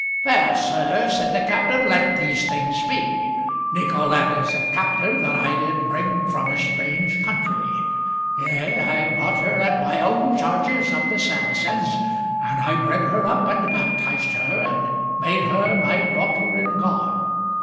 "Fair Sir," said the Captain, "let these things be. Nicolete is a captive that I did bring from a strange country. Yea, I bought her at my own charges of the Saracens, and I bred her up and baptized her, and made her my daughter in God.